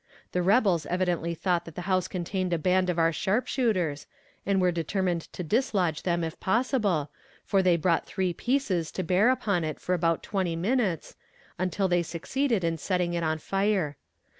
The rebels evidently thought that the house contained a band of our sharpshooters, and were determined to dislodge them if possible, for they brought three pieces to bear upon it for about twenty minutes, until they succeeded in setting it on fire.